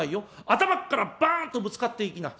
頭っからバンとぶつかっていきな。